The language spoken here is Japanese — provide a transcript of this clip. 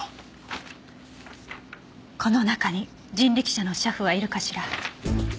この中に人力車の車夫はいるかしら？